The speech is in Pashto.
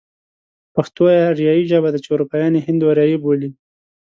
پښتو آريايي ژبه ده چې اروپايان يې هند و آريايي بولي.